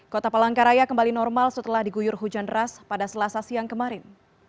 kota palangkaraya kembali normal setelah diguyur hujan deras pada selasa siang kemarin